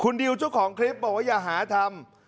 คุณดิวช่วงของคลิปบอกว่าอย่าหาทำ